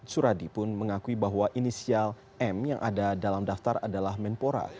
suradi pun mengakui bahwa inisial m yang ada dalam daftar adalah menpora